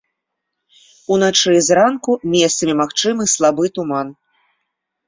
Уначы і зранку месцамі магчымы слабы туман.